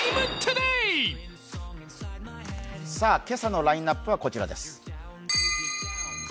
今朝のラインナップはこちらです。